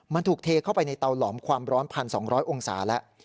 มันถูกเทเข้าไปในเตาหลอมความร้อน๑๒๐๐องศาแล้ว